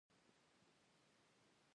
بې شمېره نور شیان شته چې ما ندي ذکر کړي.